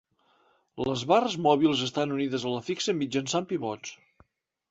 Les barres mòbils estan unides a la fixa mitjançant pivots.